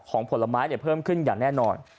ผลไม้เพิ่มขึ้นอย่างแน่นอน